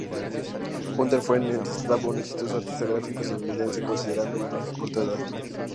Hunter fue en esta etapa un exitoso artista gráfico estadounidense, considerando su corta edad.